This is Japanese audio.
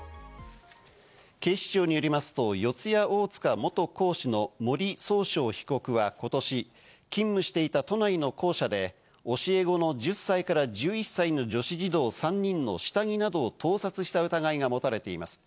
警視庁によりますと、四谷大塚元講師の森崇翔被告は、ことし勤務していた都内の校舎で教え子の１０歳から１１歳の女子児童３人の下着などを盗撮した疑いが持たれています。